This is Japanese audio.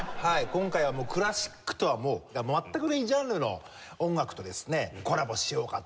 今回はクラシックとはもう全くの異ジャンルの音楽とですねコラボしようかと。